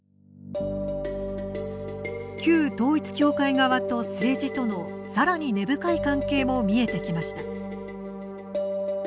旧統一教会側と政治とのさらに根深い関係も見えてきました。